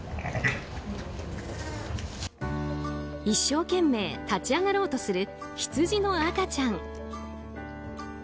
一生懸命立ち上がろうとするヒツジの赤ちゃん。